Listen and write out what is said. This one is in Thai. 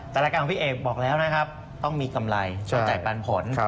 แต่ราการของพี่เอกบอกแล้วต้องมีกำไรเห็นจ่ายปรันผล